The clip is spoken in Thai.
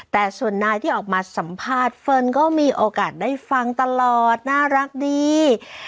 แต่ส่วนนายที่ออกมาสัมภาษณ์เฟิร์นก็มีโอกาสได้ฟังตลอดน่ารักดี